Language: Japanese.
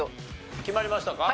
はい決まりました。